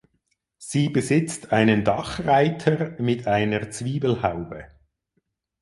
Sie besitzt einen Dachreiter mit einer Zwiebelhaube.